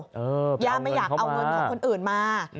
เออไปเอาเงินเข้ามาย่าไม่อยากเอาเงินของคนอื่นมา